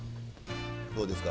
どうですか？